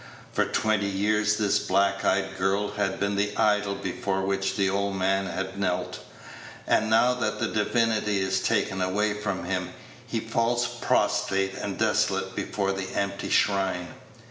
For twenty years this black eyed girl had been the idol before which the old man had knelt; and now that the divinity is taken away from him, he falls prostrate and desolate before the empty shrine.